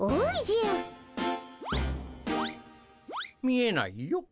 見えないよ。